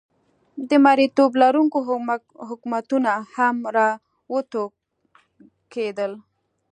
د مریتوب لرونکي حکومتونه هم را وټوکېدل.